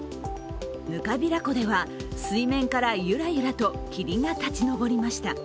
糠平湖では水面からゆらゆらと霧が立ちこめました。